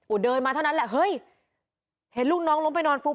เดินมาเท่านั้นแหละเฮ้ยเห็นลูกน้องล้มไปนอนฟุบ